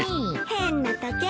変な時計。